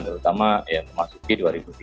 terutama ya memasuki dua ribu dua puluh